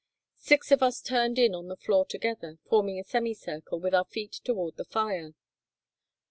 Six of us turned in on the floor together, forming a semicircle, with our feet toward the fire.